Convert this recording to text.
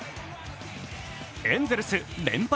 エンゼルス連敗